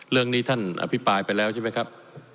เรื่องนี้ท่านอภิปรายไปแล้วใช่ไหมครับ